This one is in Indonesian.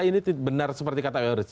ini benar seperti kata pak iorist